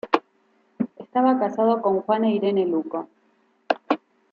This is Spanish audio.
Estaba casado con Juana Irene Luco.